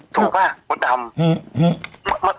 ถูกไหมมดดำ